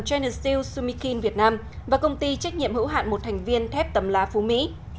geneseo sumikin việt nam và công ty trách nhiệm hữu hạn một thành viên thép tầm lá phú mỹ